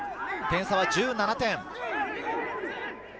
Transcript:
点差は１７点。